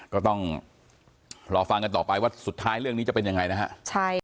ก็ต้องรอฟังกันต่อไปว่าสุดท้ายเรื่องนี้จะเป็นยังไงนะฮะ